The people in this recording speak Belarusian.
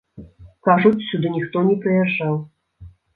Кажуць, сюды ніхто не прыязджаў.